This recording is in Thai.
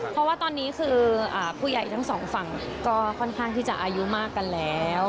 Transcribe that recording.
เพราะว่าตอนนี้คือผู้ใหญ่ทั้งสองฝั่งก็ค่อนข้างที่จะอายุมากกันแล้ว